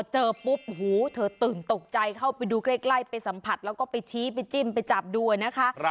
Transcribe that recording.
เจอปุ๊บหูเธอตื่นตกใจเข้าไปดูใกล้ไปสัมผัสแล้วก็ไปชี้ไปจิ้มไปจับดูนะคะ